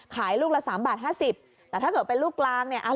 ขายลูกละ๓บาท๕๐แต่ถ้าเกิดเป็นลูกกลางเนี่ย